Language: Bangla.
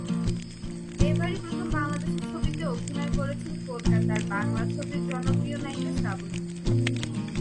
এবারই প্রথম বাংলাদেশের ছবিতে অভিনয় করছেন কলকাতার বাংলা ছবির জনপ্রিয় নায়িকা শ্রাবন্তী।